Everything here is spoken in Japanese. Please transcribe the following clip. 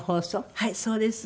はいそうです。